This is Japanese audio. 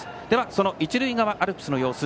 その一塁側アルプスの様子